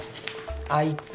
あいつが。